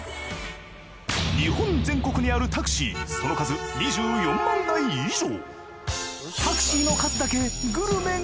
日本全国にあるタクシーその数２４万台以上。